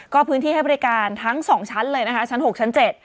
ก็พื้นที่ให้บริการทั้ง๒ชั้นเลยนะคะชั้น๖ชั้น๗